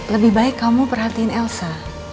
lebih baik kamu perhatiin elsa